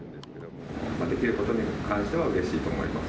できることに関しては、うれしいと思います。